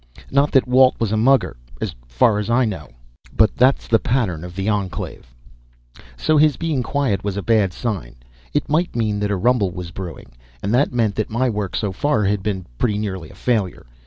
Not that Walt was a mugger as far as I know; but that's the pattern of the enclave. So his being quiet was a bad sign. It might mean that a rumble was brewing and that meant that my work so far had been pretty nearly a failure.